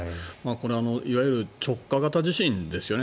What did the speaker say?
これいわゆる直下型地震ですよね。